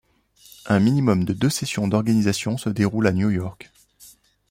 Un minimum de deux sessions d'organisation se déroulent à New York.